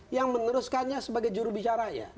yang meneruskannya sebagai jurubicara